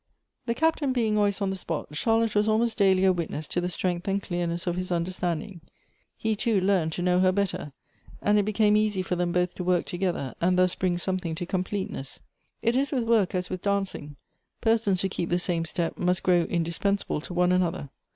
The Captain being always on the spot, Charlotte was almost daily a witness to the strength and clearness of his 60 Goethe's understanding. He, too, learnt to know her better ; and it became easy for them both to work together, and thus bring something to completeness. It is with Avork as with dancing; ]>ersons who keep the same step must grow in dispensable to one another.